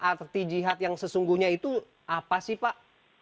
arti jihad yang sesungguhnya itu apa sih pak